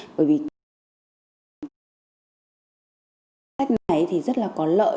bởi vì tăng mức giảm chứa ra cảnh thì rất là có lợi